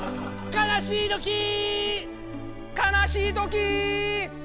かなしいときー！